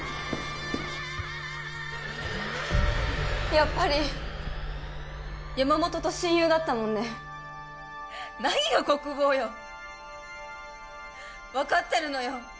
やっぱり山本と親友だったもんね何が国防よ分かってるのよ